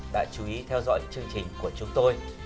đã chú ý theo dõi chương trình của chúng tôi